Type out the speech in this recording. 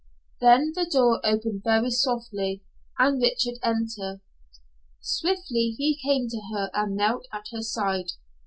Then the door opened very softly and Richard entered. Swiftly he came to her and knelt at her side.